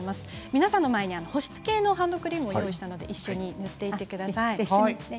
皆さんの前にも保湿系のハンドクリームを用意したので一緒に塗っていってみてください。